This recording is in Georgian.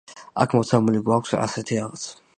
აქ, მოცემული გვაქვს ასეთი რაღაც.